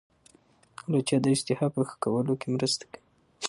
الوچه د اشتها په ښه کولو کې مرسته کوي.